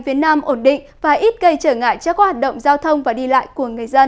phía nam ổn định và ít gây trở ngại cho các hoạt động giao thông và đi lại của người dân